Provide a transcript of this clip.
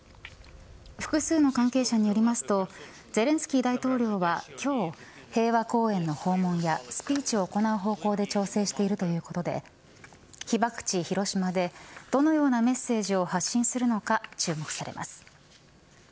複数の関係者によりますとゼレンスキー大統領は今日平和公園の訪問やスピーチを行う方向で調整しているということで被爆地、広島でどのようなメッセージを発信するのか注目されます。